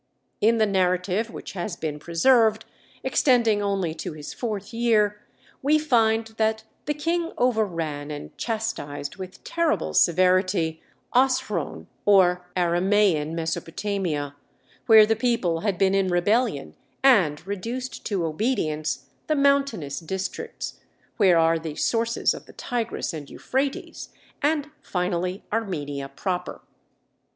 In the narrative which has been preserved, extending only to his fourth year, we find that the King overran and chastised with terrible severity Osrhoene or Aramæan Mesopotamia, where the people had been in rebellion, and reduced to obedience the mountainous districts, where are the sources of the Tigris and Euphrates, and finally Armenia proper.